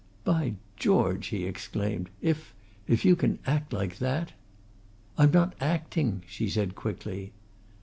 "By George!" he exclaimed. "If if you can act like that " "I'm not acting!" she said quickly.